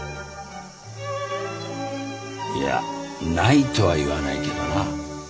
いやないとは言わないけどな。